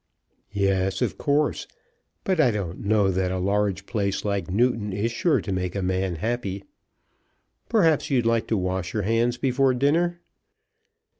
"Yes; of course. But I don't know that a large place like Newton is sure to make a man happy. Perhaps you'd like to wash your hands before dinner."